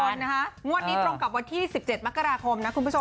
งวดนี้ตรงกับวันที่๑๗มกราคมนะคุณผู้ชม